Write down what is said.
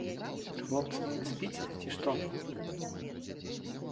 Хлопцы, вы спіце, ці што?